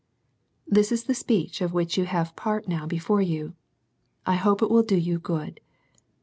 This is the speech of which you have part now before you. I hope it will do you good.